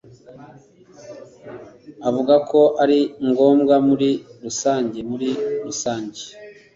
Avuga ko ari ngombwa muri rusange muri rusange